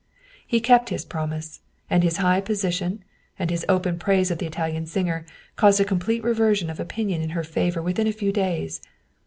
He kept his promise, and his high position, and his open praise of the Italian singer caused a complete reversion of opinion in her favor within a few days.